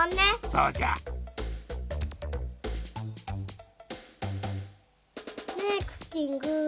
そうじゃ。ねぇクッキング。